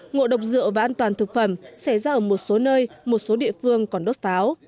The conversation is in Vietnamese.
ngộ độc rượu và an toàn thực phẩm xảy ra ở một số nơi một số địa phương còn đốt pháo